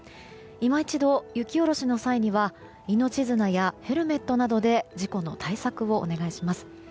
今一度、雪下ろしの際には命綱やヘルメットなどで事故の対策をお願いします。